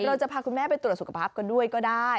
เราจะพาคุณแม่ไปตรวจสุขภาพกันด้วยก็ได้